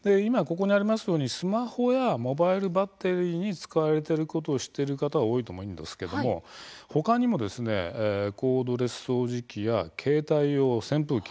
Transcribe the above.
スマホやモバイルバッテリーに使われていることを知っている方は多いと思うんですが他にもコードレス掃除機や携帯用扇風機